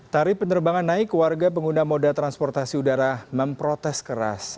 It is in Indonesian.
tarif penerbangan naik warga pengguna moda transportasi udara memprotes keras